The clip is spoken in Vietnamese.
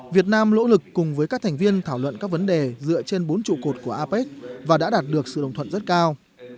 việt nam nỗ lực cùng với các thành viên thảo luận các vấn đề dựa trên bốn trụ cột của apec và đã đạt được sự đồng thuận rất cao